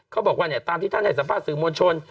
เขาบอกว่าตามที่ท่านให้สัมภาษณ์สื่อมวลชน